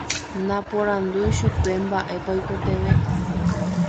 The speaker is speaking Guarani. Naporandúi chupe mba'épa oikotevẽ.